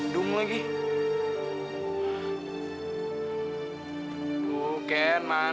dia kayak atau wel herbal